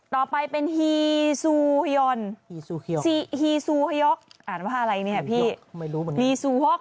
ต่อไปเป็นฮีซูฮย่อนฮีซูฮย๊อกอ่านว่าอะไรเนี่ยพี่ฮีซูฮ๊อก